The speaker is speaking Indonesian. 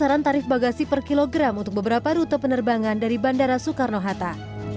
berdasarkan tarif bagasi per kilogram untuk beberapa rute penerbangan dari bandara soekarno hatta